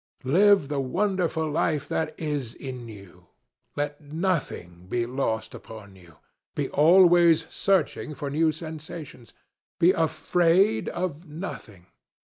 Live the wonderful life that is in you! Let nothing be lost upon you. Be always searching for new sensations. Be afraid of nothing....